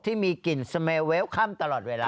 ที่มีกลิ่นสเมลเวลค่ำตลอดเวลา